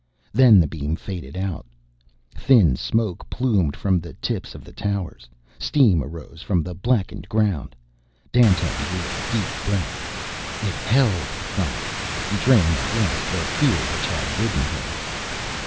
Then the beam faded out. Thin smoke plumed from the tips of the towers, steam arose from the blackened ground. Dandtan drew a deep breath. "It held!" he cried, betraying at last the fear which had ridden him.